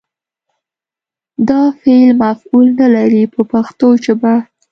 دا فعل مفعول نه لري په پښتو ژبه.